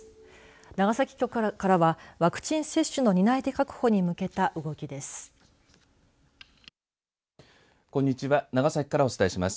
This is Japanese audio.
長崎局からはワクチン接種の担い手確保に向けた動きです。